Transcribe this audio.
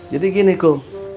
jadi gini kong